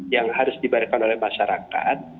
yang harus dibayarkan oleh masyarakat